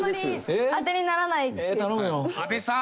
阿部さん。